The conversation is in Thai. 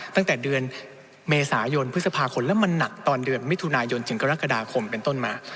ตั้งแต่เดือนเมษายนพฤษภาคลและมันนักตอนเดือนร่วมถุนายนจึงประกาศกรรคมเป็นต้นมา